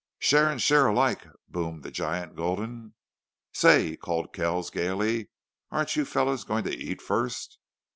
"Share and share alike!" boomed the giant Gulden. "Say!" called Kells, gaily, "aren't you fellows going to eat first?"